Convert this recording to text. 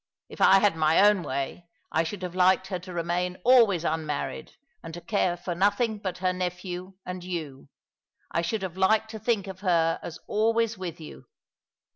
If I had my own way, I should have liked her to remain always unmarried, and to care for nothing but her nephew and you. I should have liked to think of her as always with you."